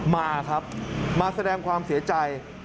มาครับมาแสดงความเสียใจ